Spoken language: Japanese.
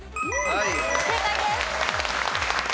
正解です。